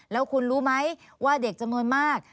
แล้วคุณรู้ไหมว่าเด็กจำนวนมาก